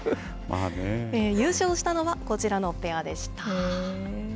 優勝したのはこちらのペアでした。